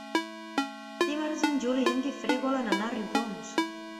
Dimarts en Juli i en Guifré volen anar a Riudoms.